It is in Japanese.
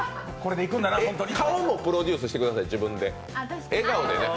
顔もプロデュースしてください、自分で。